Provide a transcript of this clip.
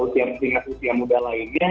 lalu tingkat tingkat muda lainnya